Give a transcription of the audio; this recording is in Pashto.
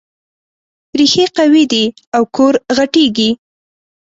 ريښې قوي دي او کور غټېږي.